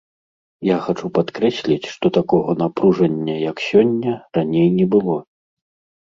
Я хачу падкрэсліць, што такога напружання, як сёння, раней не было.